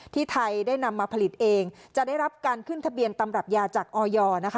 ที่ไทยได้นำมาผลิตเองจะได้รับการขึ้นทะเบียนตำรับยาจากออยนะคะ